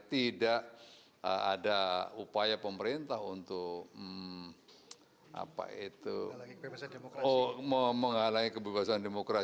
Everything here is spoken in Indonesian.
tidak ada upaya pemerintah untuk menghalangi kebebasan demokrasi